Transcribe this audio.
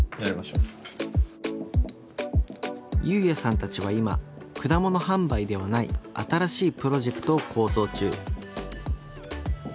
侑弥さんたちは今果物販売ではない新しいプロジェクトを構想中。